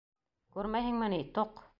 Күрмәйһеңме ни, тоҡ!